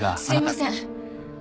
すいません。